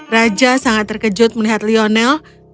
raja sangat terkejut melihat lionel